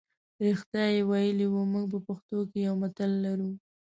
رښتیا یې ویلي وو موږ په پښتو کې یو متل لرو.